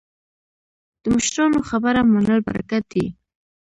د مشرانو خبره منل برکت دی